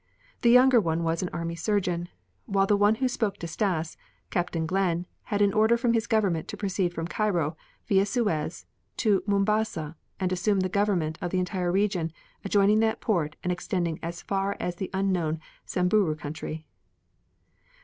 The younger one was an army surgeon, while the one who spoke to Stas, Captain Glenn, had an order from his government to proceed from Cairo, via Suez, to Mombasa and assume the government of the entire region adjoining that port and extending as far as the unknown Samburu country.